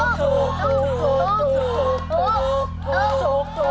ถูกครับ